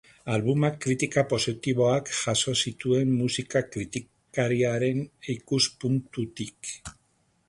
Albumak kritika positiboak jaso zituen musika kritikarien ikuspuntutik.